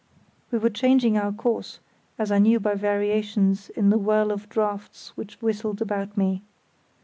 We were changing our course, as I knew by variations in the whirl of draughts which whistled about me.